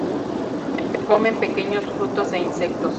Comen pequeños frutos e insectos.